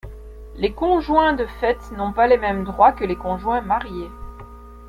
Les conjoints de fait n'ont pas les mêmes droits que les conjoints mariés.